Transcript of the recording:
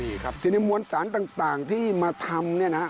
มีครับที่นี่ม้วนสารต่างที่มาทำ